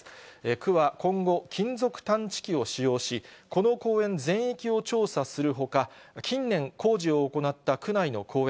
区は今後、金属探知機を使用し、この公園全域を調査するほか、近年、工事を行った区内の公園